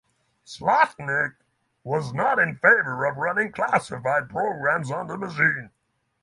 Slotnick was not in favor of running classified programs on the machine.